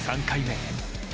３回目。